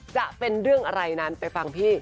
จะเป็นเรื่องอะไรนั้นไปฟังพี่